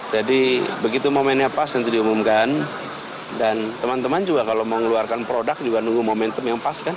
jadi begitu momennya pas nanti diumumkan dan teman teman juga kalau mau ngeluarkan produk juga nunggu momentum yang pas kan